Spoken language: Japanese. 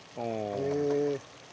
へえ。